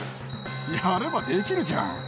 やればできるじゃん。